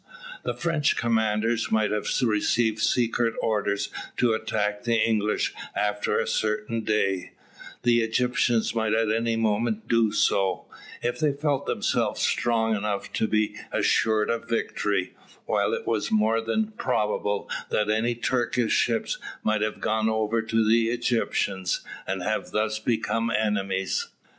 The French commanders might have received secret orders to attack the English after a certain day; the Egyptians might at any moment do so, if they felt themselves strong enough to be assured of victory; while it was more than probable that any Turkish ships might have gone over to the Egyptians, and have thus become enemies.